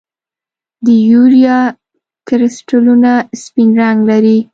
د یوریا کرسټلونه سپین رنګ لري.